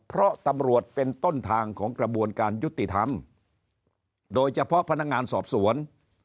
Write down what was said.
เพราะตำรวจเป็นต้นทางของกระบวนการยุติธรรมโดยเฉพาะพนักงานสอบสวน